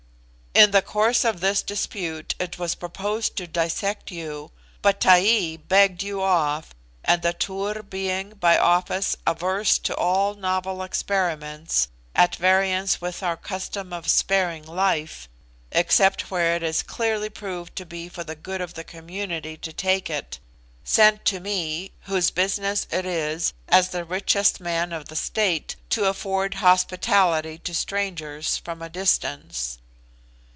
"In the course of this dispute it was proposed to dissect you; but Taee begged you off, and the Tur being, by office, averse to all novel experiments at variance with our custom of sparing life, except where it is clearly proved to be for the good of the community to take it, sent to me, whose business it is, as the richest man of the state, to afford hospitality to strangers from a distance.